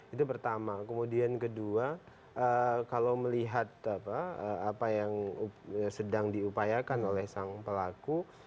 itu pertama kemudian kedua kalau melihat apa yang sedang diupayakan oleh sang pelaku